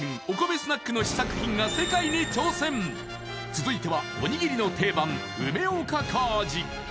お米スナックの試作品が続いてはおにぎりの定番梅おかか味